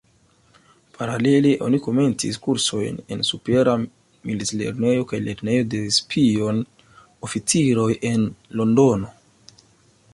Paralele oni komencis kursojn en Supera Milit-Lernejo kaj Lernejo de Spion-Oficiroj en Londono.